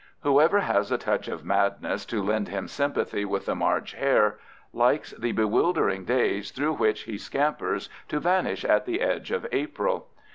Whoever has a touch of madness to lend him sympathy with the March hare likes the bewildering days through which he scampers to vanish at the edge of April.